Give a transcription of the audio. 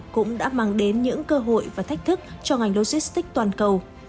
cũng đã mang đến những cơ hội và thách thức cho ngành logistics toàn cầu